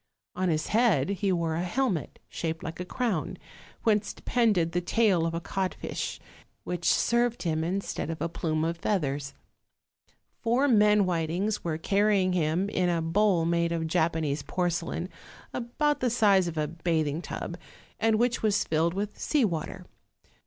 On his head he wore a helmet shaped like a crown, whence depended the tail of a codfish, which served him instead of a plume of feathers. Four men whitings were carrying him in a bowl made of Japanese porcelain, about the size of a bathing tub, and which was filled with sea water.